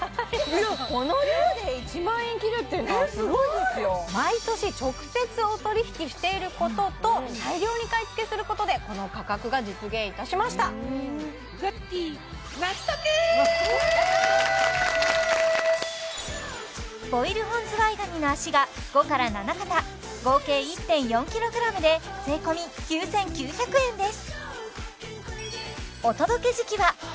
この量で１万円切るっていうのはすごいですよ毎年直接お取り引きしていることと大量に買い付けすることでこの価格が実現いたしましたボイル本ズワイガニの脚が５から７肩合計１．４ｋｇで税込９９００円です